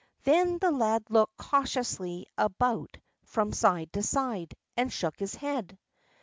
Then the lad looked cautiously about from side to side, and shook his head.